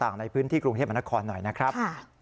ในพื้นที่กรุงเทพมนครหน่อยนะครับ